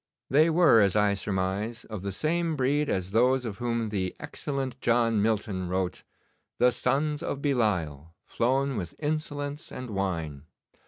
They were, as I surmise, of the same breed as those of whom the excellent John Milton wrote: "The sons of Belial, flown with insolence and wine."